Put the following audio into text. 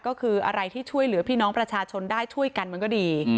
ก็คืออะไรที่ช่วยเหลือพี่น้องประชาชนได้ช่วยกันมันก็ดี